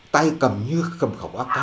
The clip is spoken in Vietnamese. tay cầm như cầm khẩu ak